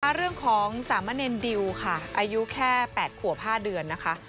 เรื่องของสามะเนรดิวค่ะอายุแค่๘ขวบ๕เดือนนะคะ